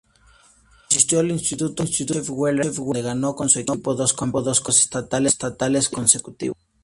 Asistió al Insituto Joseph Wheeler, donde ganó con su equipo dos campeonatos estatales consecutivos.